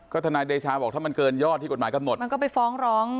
ทนายเดชาบอกถ้ามันเกินยอดที่กฎหมายกำหนดมันก็ไปฟ้องร้อง